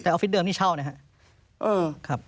แต่ออฟฟิศเดิมนี่เช่านะครับ